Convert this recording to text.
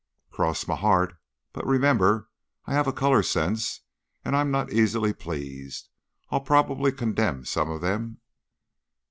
"Cross my heart. But remember, I have a color sense and I'm not easily pleased. I'll probably condemn some of them."